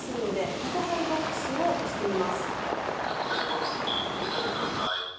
宅配ボックスに入れておいてください。